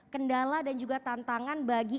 kendala dan juga tantangan bagi